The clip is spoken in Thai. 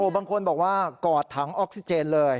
บางคนบอกว่ากอดถังออกซิเจนเลย